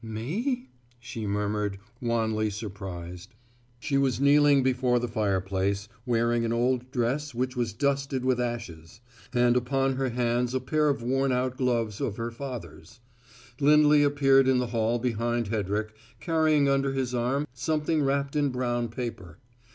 "Me?" she murmured, wanly surprised. She was kneeling before the fireplace, wearing an old dress which was dusted with ashes, and upon her hands a pair of worn out gloves of her father's. Lindley appeared in the hall behind Hedrick, carrying under his arm something wrapped in brown paper.